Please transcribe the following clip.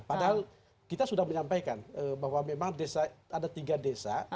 padahal kita sudah menyampaikan bahwa memang ada tiga desa